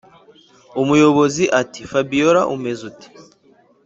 umuyobozi ati”fabiora umeze ute